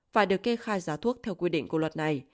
phải được kê khai giá thuốc theo quy định của luật này